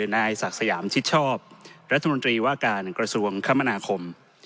นายศักดิ์สยามชิดชอบรัฐมนตรีว่าการกระทรวงคมนาคม